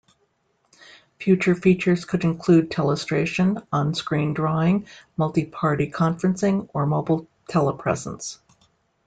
Future features could include telestration, onscreen drawing, multi-party conferencing or mobile telepresence.